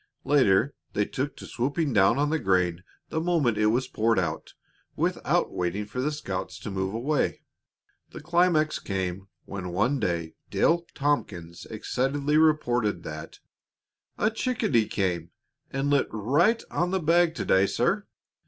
Later they took to swooping down on the grain the moment it was poured out, without waiting for the scouts to move away. The climax came when one day Dale Tompkins excitedly reported that: "A chickadee came and lit right on the bag to day, sir.